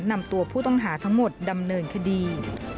นำตัวผู้ต้องหาทั้งหมดดำเนินคดี